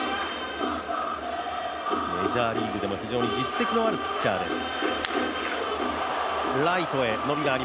メジャーリーグでも非常に実績のあるピッチャーです。